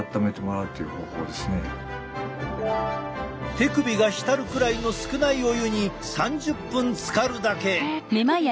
手首が浸るくらいの少ないお湯に３０分つかるだけ！